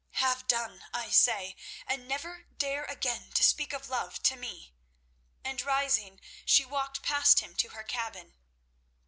Have done, I say, and never dare again to speak of love to me," and rising, she walked past him to her cabin.